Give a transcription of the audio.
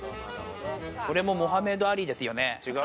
これもモハメド・アリですよ